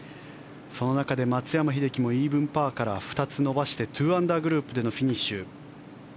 その中で松山英樹もイーブンパーから２つ伸ばして２アンダーグループでのフィニッシュ。